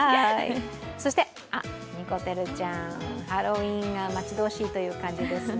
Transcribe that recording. そしてにこてるちゃん、ハロウィーンが待ち遠しい感じですね。